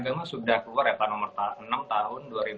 agama sudah keluar repa nomor enam tahun